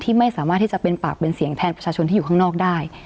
ไม่สามารถที่จะเป็นปากเป็นเสียงแทนประชาชนที่อยู่ข้างนอกได้